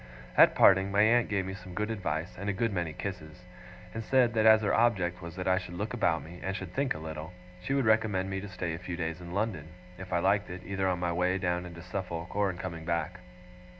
At parting, my aunt gave me some good advice, and a good many kisses; and said that as her object was that I should look about me, and should think a little, she would recommend me to stay a few days in London, if I liked it, either on my way down into Suffolk, or in coming back.